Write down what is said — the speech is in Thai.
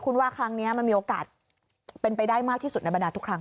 คุณว่าครั้งนี้มันมีโอกาสเป็นไปได้มากที่สุดในบรรดาทุกครั้ง